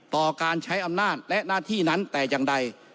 ต่อการใช้อำนาจและหน้าที่นั้นแต่อย่างใด